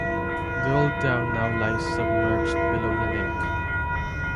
The old town now lies submerged below the lake.